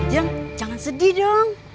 jeng jangan sedih dong